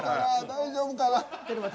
大丈夫か。